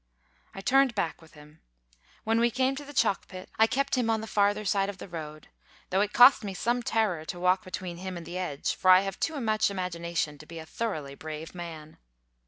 I turned back with him. When we came to the Chalk pit, I kept him on the farther side of the road, though it cost me some terror to walk between him and the edge; for I have too much imagination to be a thoroughly brave man.